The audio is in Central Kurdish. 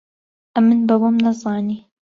ئەمن بە وەم نەزانی